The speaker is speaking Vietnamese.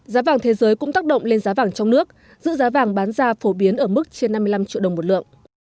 giá vàng thế giới cũng tác động lên giá vàng trong nước giữ giá vàng bán ra phổ biến ở mức trên năm mươi năm triệu đồng một lượng